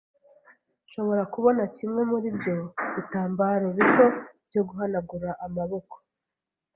Nshobora kubona kimwe muri ibyo bitambaro bito byo guhanagura amaboko?